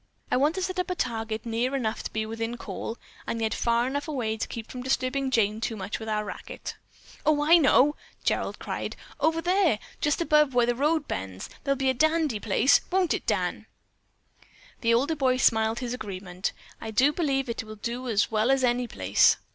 "I want to set up a target near enough to be within call, and yet far enough away to keep from disturbing Jane too much with our racket." "Oh, I know!" Gerald cried. "Over there, just above where the road bends! That'll be a dandee place. Won't it, Dan?" The older boy smiled his agreement. "I do believe it will do as well as any place."